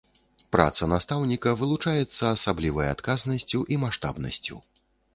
Праца настаўніка вылучаецца асаблівай адказнасцю і маштабнасцю.